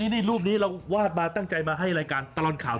นี่รูปนี้เราวาดมาตั้งใจมาให้รายการตลอดข่าว